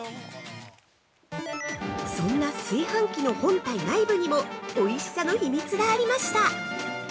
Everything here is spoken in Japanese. そんな炊飯器の本体内部にもおいしさの秘密がありました。